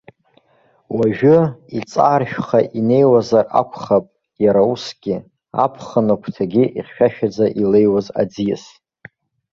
Уажәы иҵааршәха инеиуазар акәхап, иара усгьы, аԥхын агәҭагьы ихьшәашәаӡа илеиуаз аӡиас.